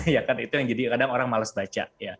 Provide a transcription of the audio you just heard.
ya kan itu yang jadi kadang orang males baca